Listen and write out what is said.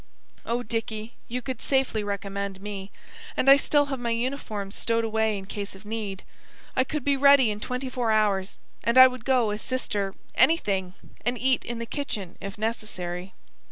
Oh, Dicky, you could safely recommend me; and I still have my uniforms stowed away in case of need. I could be ready in twenty four hours, and I would go as Sister anything, and eat in the kitchen if necessary."